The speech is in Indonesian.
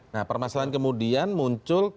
nah permasalahan kemudian muncul